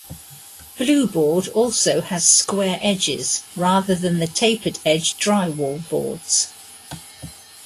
Blueboard also has square edges rather than the tapered-edge drywall boards.